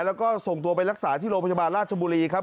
แล้วก็ส่งตัวไปรักษาที่โรงพยาบาลราชบุรีครับ